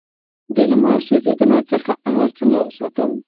د لمر سوځیدنې څخه انار څنګه وساتم؟